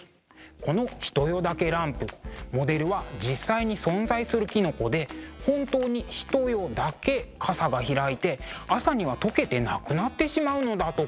この「ひとよ茸ランプ」モデルは実際に存在するきのこで本当にひと夜だけかさが開いて朝には溶けてなくなってしまうのだとか。